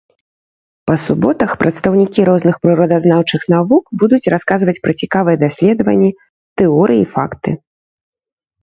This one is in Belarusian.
Па суботах прадстаўнікі розных прыродазнаўчых навук будуць расказваць пра цікавыя даследаванні, тэорыі і факты.